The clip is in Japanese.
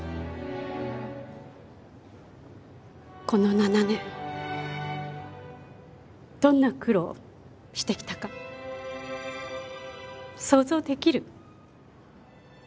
この７年どんな苦労してきたか想像出来る？